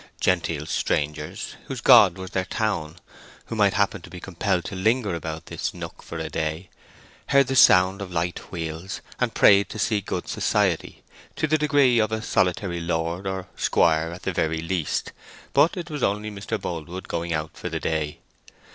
Genteel strangers, whose god was their town, who might happen to be compelled to linger about this nook for a day, heard the sound of light wheels, and prayed to see good society, to the degree of a solitary lord, or squire at the very least, but it was only Mr. Boldwood going out for the day.